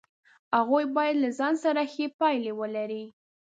هغوی باید له ځان سره ښې پایلې ولري.